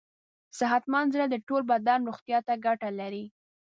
صحتمند زړه د ټول بدن روغتیا ته ګټه لري.